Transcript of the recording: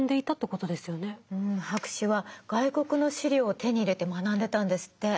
博士は外国の資料を手に入れて学んでたんですって。